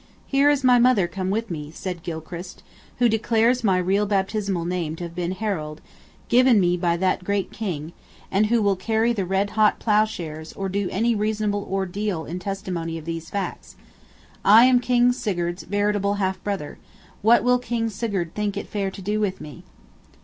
"Here is my mother come with me," said Gilchrist, "who declares my real baptismal name to have been Harald, given me by that great King; and who will carry the red hot ploughshares or do any reasonable ordeal in testimony of these facts. I am King Sigurd's veritable half brother: what will King Sigurd think it fair to do with me?"